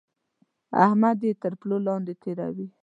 احمد يې تر پلو لاندې تېروي.